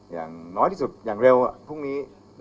อย่างน้อยที่สุดอย่างเร็วพรุ่งนี้